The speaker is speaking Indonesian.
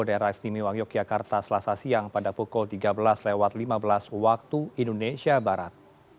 daerah istimewa yogyakarta selasa siang pada pukul tiga belas lima belas waktu indonesia barat